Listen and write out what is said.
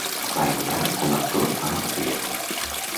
Va entrar com a actor a la Cía.